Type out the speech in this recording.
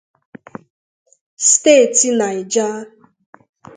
Steeti Naija